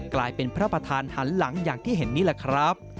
กลายเป็นพระประธานหันหลังอย่างที่เห็นนี่แหละครับ